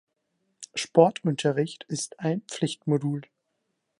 Sportunterricht ist ein Pflichtmodul.